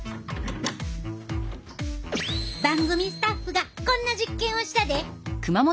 番組スタッフがこんな実験をしたで。